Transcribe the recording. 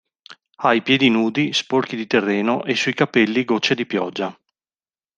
Ha i piedi nudi, sporchi di terreno, e sui capelli, gocce di pioggia.